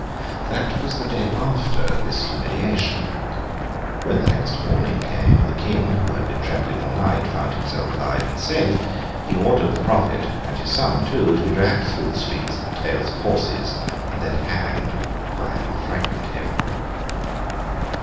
That was the day after this humiliation. When the next morning came, and the King, who had been trembling all night, found himself alive and safe, he ordered the prophet—and his son too—to be dragged through the streets at the tails of horses, and then hanged, for having frightened him.